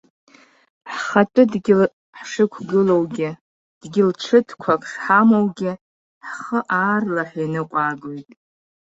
Ҳхатәыдгьыл ҳшықәгылоугьы, дгьыл ҽыҭқәак шҳамоугьы, ҳхы аарлаҳәа иныҟәаагоит.